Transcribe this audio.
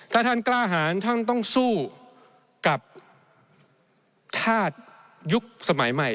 ถ้าท่านกล้าหารท่านต้องสู้กับธาตุยุคสมัยใหม่